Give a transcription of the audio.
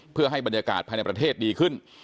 เพื่อให้บรรยากาศภายในประเทศดีขึ้น